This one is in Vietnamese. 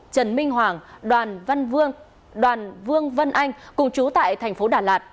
trần minh hoàng đoàn vương vân anh cùng trú tại thành phố đà lạt